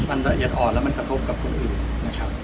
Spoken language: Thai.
มันละเอียดอ่อนและมันกระทบกับคนอื่นนะครับ